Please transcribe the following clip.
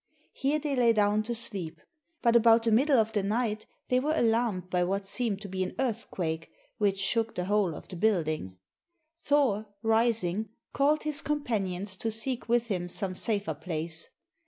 Here they lay down to sleep, but about the middle of the night they were alarmed by what seemed to be an earthquake which shook the whole of the building. Thor, rising, called his companions to seek with him some safer place.